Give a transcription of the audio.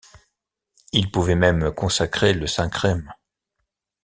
Il pouvait même consacrer le saint chrême.